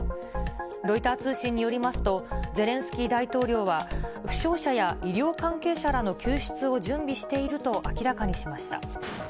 ロイター通信によりますと、ゼレンスキー大統領は、負傷者や医療関係者らの救出を準備していると明らかにしました。